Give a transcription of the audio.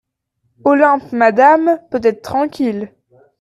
Olympe Madame peut être tranquille.